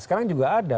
sekarang juga ada